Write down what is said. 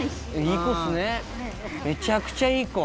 めちゃくちゃいい子。